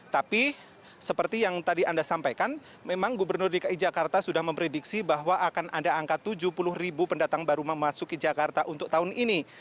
tapi seperti yang tadi anda sampaikan memang gubernur dki jakarta sudah memprediksi bahwa akan ada angka tujuh puluh ribu pendatang baru memasuki jakarta untuk tahun ini